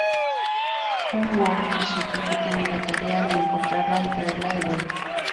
Jung Woo y su equipo tienen la tarea de encontrarla y traerla de vuelta.